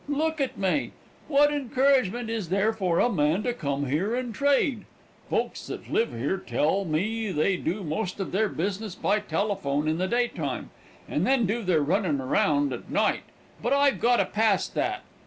Look at me. What encouragement is there for a man to come here and trade? Folks that live here tell me that they do most of their business by telephone in the daytime, and then do their runnin' around at night, but I've got apast that.